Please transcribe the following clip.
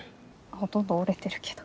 ほとんど折れてるけど。